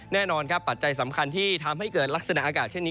แน่นอนครับปัจจัยสำคัญที่ทำให้เกิดลักษณะอากาศเช่นนี้